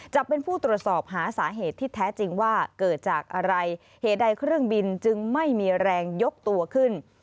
จะเป็นผู้ตรวจสอบหาสาเหตุที่แท้จริงว่าเกิดจากอะไรเหตุใดเครื่องบินจึงไม่มีแรงยกตัวขึ้น